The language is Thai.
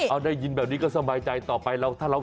เอาได้ยินแบบนี้ก็สบายใจต่อไป